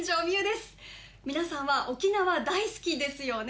皆さんは沖縄大好きですよね？